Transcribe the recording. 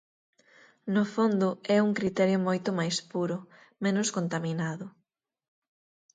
No fondo é un criterio moito máis puro, menos contaminado.